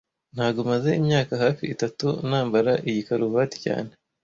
Ntago maze imyaka hafi itatu nambara iyi karuvati cyane